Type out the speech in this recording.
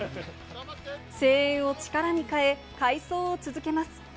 声援を力に変え、快走を続けます。